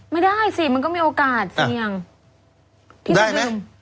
ไม่ได้สิมันก็มีโอกาสเสี่ยงที่จะลืม